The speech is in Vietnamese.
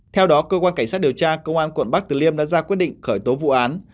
theo đó cơ quan cảnh sát điều tra công an quận bắc từ liêm đã ra quyết định khởi tố vụ án